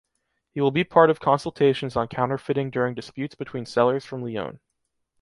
He will be part of consultations on counterfeiting during disputes between sellers from Lyon.